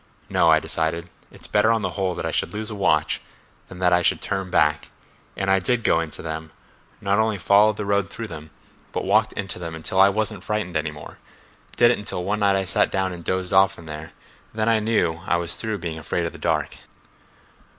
No; I decided, it's better on the whole that I should lose a watch than that I should turn back—and I did go into them—not only followed the road through them, but walked into them until I wasn't frightened any more—did it until one night I sat down and dozed off in there; then I knew I was through being afraid of the dark."